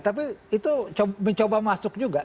tapi itu mencoba masuk juga